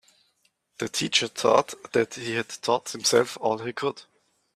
The teacher thought that he'd taught himself all he could.